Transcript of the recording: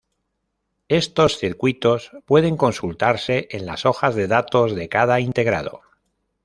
Estos circuitos pueden consultarse en las hojas de datos de cada integrado.